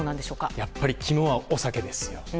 やっぱり肝はお酒ですよ。